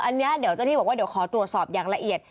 อันนี้เดี๋ยวเจ้าที่บอกว่าเดี๋ยวขอตรวจสอบอย่างละเอียด